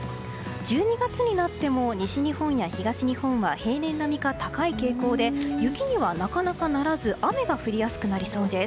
１２月になっても西日本や東日本は平年並みか高い傾向で雪には、なかなかならず雨が降りやすくなりそうです。